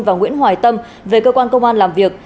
và nguyễn hoài tâm về cơ quan công an làm việc